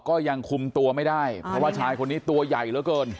ก็ยังคุมตัวไม่ได้เพราะว่าชายคนนี้ตัวใหญ่เหลือเกิน